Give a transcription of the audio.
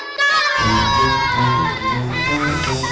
tapi aku penasaran sih